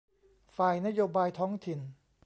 ฝ่ายนโยบายท้องถิ่น